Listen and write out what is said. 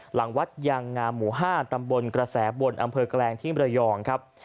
หลังวัดยางงามหมู่๕ตำบลกระแสบนอำเภอแกลงที่มรยองครับ